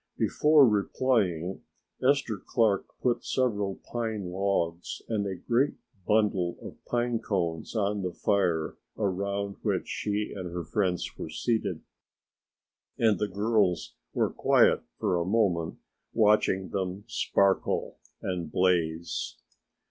Before replying Esther Clark put several pine logs and a great bundle of pine cones on the fire around which she and her friends were seated, and the girls were quiet for a moment watching them sparkle and blaze.